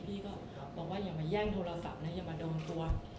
พี่ก็บอกว่าอย่ามาแย่งโทรศัพท์นะอย่ามาโดนตัว